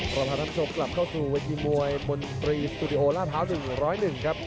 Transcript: ก็พาทันทรกกลับเข้าสู่เวทย์มวยมนตรีสตูดิโอล่าเภา๑๐๑ครับ